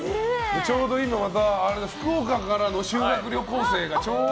ちょうど今、また福岡からの修学旅行生がちょうど。